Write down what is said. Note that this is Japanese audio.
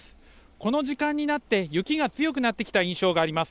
この時間になって、雪が強くなってきた印象があります。